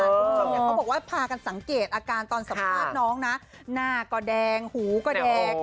คุณผู้ชมเขาบอกว่าพากันสังเกตอาการตอนสัมภาษณ์น้องนะหน้าก็แดงหูก็แดง